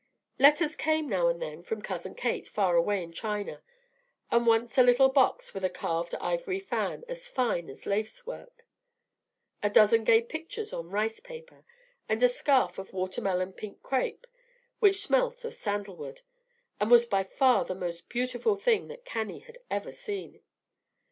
Letters came now and then from "Cousin Kate," far away in China, and once a little box with a carved ivory fan as fine as lace work, a dozen gay pictures on rice paper, and a scarf of watermelon pink crape, which smelt of sandalwood, and was by far the most beautiful thing that Cannie had ever seen.